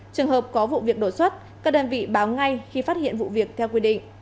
trường hợp có vụ việc đổ xuất các đơn vị báo ngay khi phát hiện vụ việc theo quy định